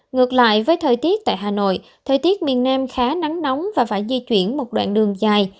ngược lại với thời tiết tại hà nội thời tiết miền nam khá nắng nóng và phải di chuyển một đoạn đường dài